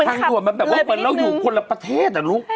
ทางด่วนมันแบบว่าเหมือนเราอยู่คนละประเทศอะลูก